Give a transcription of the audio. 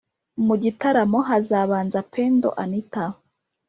Mugitaramo hazabanza pendo anita